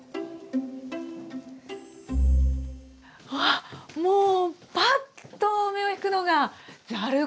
わっもうぱっと目を引くのがざる。